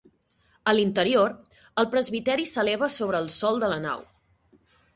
A l'interior, el presbiteri s'eleva sobre el sòl de la nau.